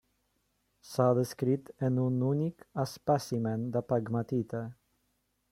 S'ha descrit en un únic espècimen de pegmatita.